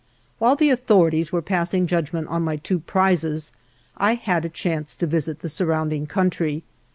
While the authorities were passing judgment on my two prizes I had a chance to visit the surrounding country.